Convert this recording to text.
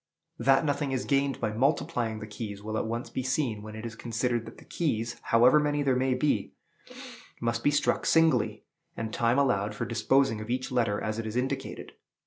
That nothing is gained by multiplying the keys, will at once be seen when it is considered that the keys, however many there may be, must be struck singly, and time allowed for disposing of each letter as it is indicated.